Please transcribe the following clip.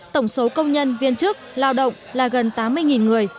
tổng số công nhân viên chức lao động là gần tám mươi người